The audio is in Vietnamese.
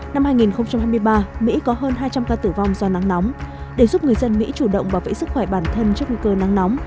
năm hai nghìn hai mươi ba mỹ có hơn hai trăm linh ca tử vong do nắng nóng để giúp người dân mỹ chủ động bảo vệ sức khỏe bản thân trước nguy cơ nắng nóng